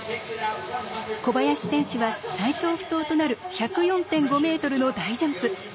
小林選手は最長不倒となる１０４．５ｍの大ジャンプ。